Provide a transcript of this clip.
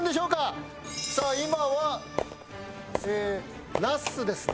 さあ今はなすですね。